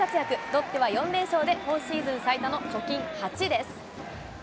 ロッテは４連勝で、今シーズン初の貯金８です。